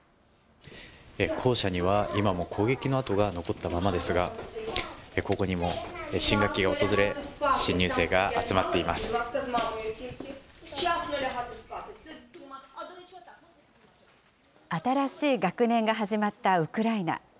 校舎には今も攻撃の跡が残ったままですが、ここにも新学期が新しい学年が始まったウクライナ。